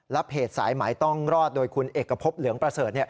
และเพจสายหมายต้องรอดโดยคุณเอกพบเหลืองประเสริฐ